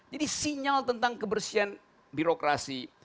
jadi sinyal tentang kebersihan birokrasi